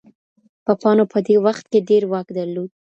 پاپانو په دې وخت کي ډېر واک درلود.